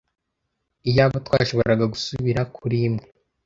Iyaba twashoboraga gusubira kuri imwe.